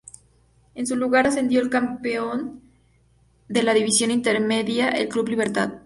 En su lugar, ascendió el campeón de la División Intermedia, el Club Libertad.